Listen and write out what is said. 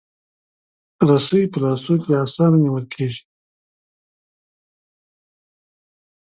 رسۍ په لاسو کې اسانه نیول کېږي.